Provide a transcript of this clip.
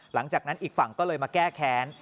หลังจากนั้นอีกฝั่งก็เลยมาแก้แค้น